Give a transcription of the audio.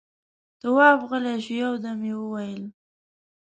تواب غلی شو، يودم يې وويل: